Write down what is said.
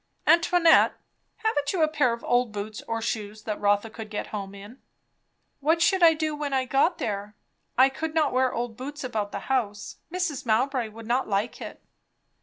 "Antoinette, haven't you a pair of old boots or shoes, that Rotha could get home in?" "What should I do when I got there? I could not wear old boots about the house. Mrs. Mowbray would not like it."